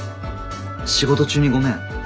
仕事中にごめん。